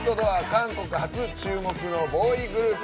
韓国発注目のボーイグループ。